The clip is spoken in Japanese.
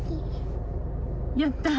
やったぁ？